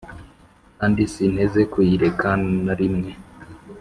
kandi sinteze kuyireka na rimwe.»